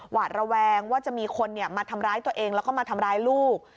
หวาดระแวงว่าจะมีคนมาทำร้ายตัวเองแล้วก็มาทำร้ายลูก